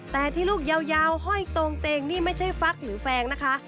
แต่ที่ลูกยาวห้อยตรงเตงนี่ไม่ใช่ฟักหรือแฟงนะคะ